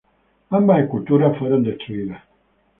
Ambas esculturas fueron destruidas.